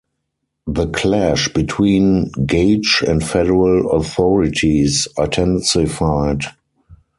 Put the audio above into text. The clash between Gage and federal authorities intensified.